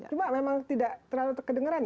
cuma memang tidak terlalu kedengeran ya